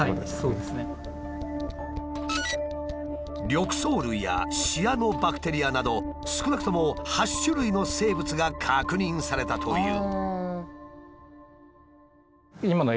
緑藻類やシアノバクテリアなど少なくとも８種類の生物が確認されたという。